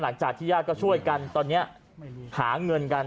หลังจากที่ญาติก็ช่วยกันตอนนี้หาเงินกัน